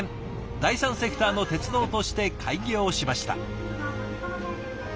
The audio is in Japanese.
第三セクターの鉄道として開業しました。